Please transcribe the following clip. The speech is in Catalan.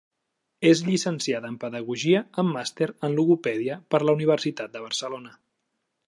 És llicenciada en pedagogia amb màster en logopèdia per la Universitat de Barcelona.